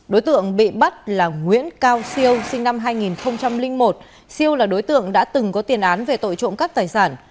đối tượng bị bắt là nguyễn cao siêu sinh năm hai nghìn một siêu là đối tượng đã từng có tiền án về tội trộm cắp tài sản